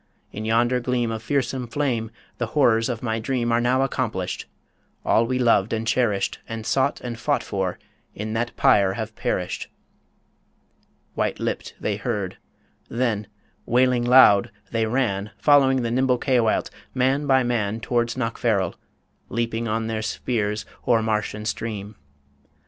In yonder gleam Of fearsome flame, the horrors of my dream Are now accomplished all we loved and cherished, And sought, and fought for, in that pyre have perished!" White lipped they heard.... Then, wailing loud, they ran, Following the nimble Caoilte, man by man, Towards Knockfarrel; leaping on their spears O'er marsh and stream.